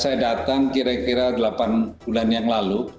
saya datang kira kira delapan bulan yang lalu